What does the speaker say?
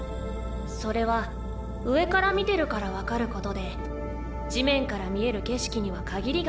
それは上から見てるから分かることで地面から見える景色には限りがあるんだ。